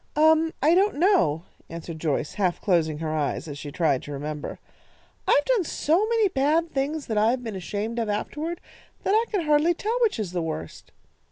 "Um, I don't know," answered Joyce, half closing her eyes as she tried to remember. "I've done so many bad things that I have been ashamed of afterward, that I can hardly tell which is the worst.